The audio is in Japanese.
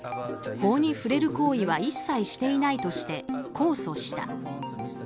法に触れる行為は一切していないとして控訴した。